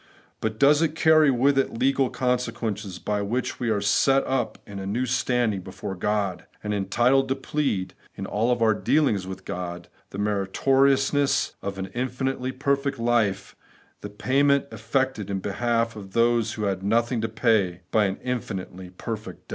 ' but, ' Does it carry with it legal consequences, by which we are set in a new standing before God, and entitled to plead, in all our dealings with God, the meritoriousness of an infinitely perfect life, the payment effected in behalf of those who had nothing to pay, by an infinitely perfect death